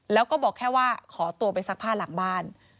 แล้วก็บอกแค่ว่าขอตัวไปซักผ้าหลังบ้าน